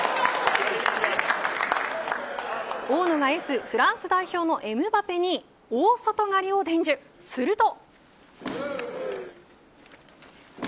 大野がエースフランス代表のエムバペに大外刈りを伝授すると。